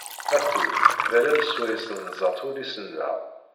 Akud d allal swayes nzeṭṭ ullis-nneɣ.